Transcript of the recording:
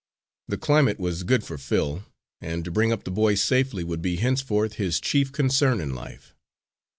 The climate was good for Phil, and to bring up the boy safely would be henceforth his chief concern in life.